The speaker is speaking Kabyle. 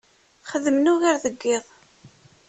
Xeddmen ugar deg yiḍ.